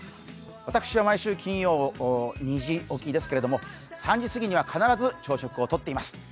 私は毎週金曜、２時起きですけども３時すぎには必ず朝食をとっています。